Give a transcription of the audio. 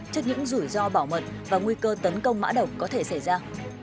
cho những rủi ro bảo mật và nguy cơ tấn công mã động có thể xảy ra